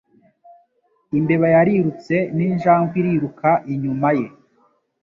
Imbeba yarirutse ninjangwe iriruka inyuma ye.